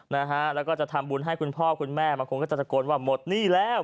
นะฮะแล้วก็จะทำบุญให้คุณพ่อคุณแม่บางคนก็จะตะโกนว่าหมดหนี้แล้ว